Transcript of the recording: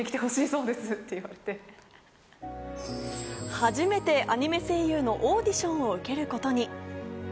初めてアニメ声優のオーディションを受けることに。